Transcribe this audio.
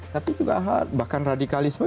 tapi juga bahkan radikalisme